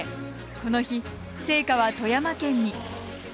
この日、聖火は富山県に。